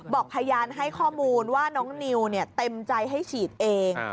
บอกพยานให้ข้อมูลว่าน้องนิวเต็มใจให้ฉีดเอง